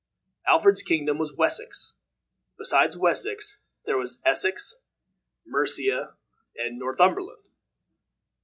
Alfred's kingdom was Wessex. Besides Wessex, there was Essex, Mercia, and Northumberland.